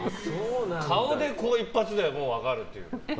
顔で一発で分かるという。